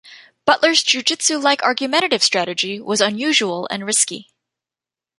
Butler's jiu-jitsu-like argumentative strategy was unusual and risky.